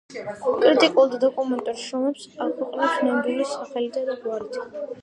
კრიტიკულ და დოკუმენტურ შრომებს აქვეყნებს ნამდვილი სახელითა და გვარით.